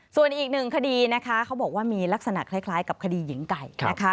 ส่วนอีกหนึ่งคดีนะคะเขาบอกว่ามีลักษณะคล้ายกับคดีหญิงไก่นะคะ